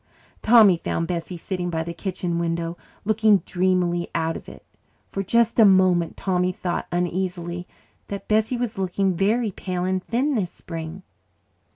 Tommy found Bessie sitting by the kitchen window, looking dreamily out of it. For just a moment Tommy thought uneasily that Bessie was looking very pale and thin this spring.